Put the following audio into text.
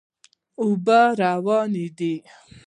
اوبه روانې دي.